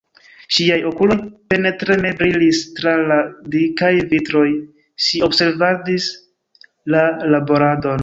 Ŝiaj okuloj penetreme brilis tra la dikaj vitroj: ŝi observadis la laboradon.